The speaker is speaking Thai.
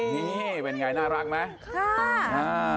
นี่เป็นไงน่ารักไหม